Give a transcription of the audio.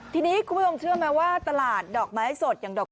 ทีนี้คุณผู้ชมเชื่อไหมว่าตลาดดอกไม้สดอย่างดอก